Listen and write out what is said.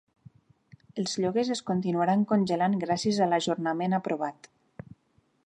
Els lloguers es continuaran congelant gràcies a l'ajornament aprovat